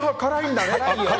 あ、辛いんだね！